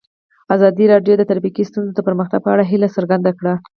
ازادي راډیو د ټرافیکي ستونزې د پرمختګ په اړه هیله څرګنده کړې.